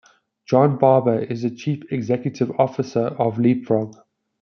John Barbour is the chief executive officer of LeapFrog.